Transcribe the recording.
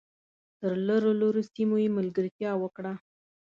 تر لرو لرو سیمو یې ملګرتیا وکړه .